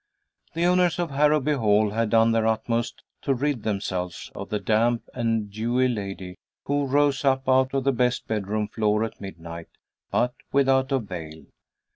The owners of Harrowby Hall had done their utmost to rid themselves of the damp and dewy lady who rose up out of the best bedroom floor at midnight, but without avail.